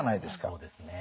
そうですね。